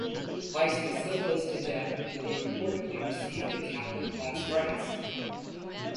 Weis was so close to death that he reportedly received the Catholic last rites.